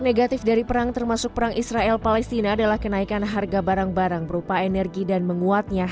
negatif dari perang termasuk perang israel palestina adalah kenaikan harga barang barang